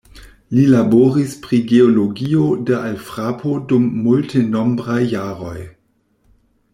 Li laboris pri geologio de alfrapo dum multenombraj jaroj.